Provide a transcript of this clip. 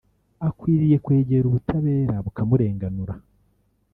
akwiriye kwegera ubutabera bukamurenganura